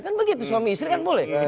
kan begitu suami istri kan boleh